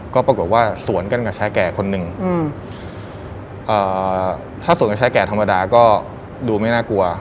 ก็ปรากฏว่าสวนกันกับชายแก่คนหนึ่งถ้าสวนกับชายแก่ธรรมดาก็ดูไม่น่ากลัว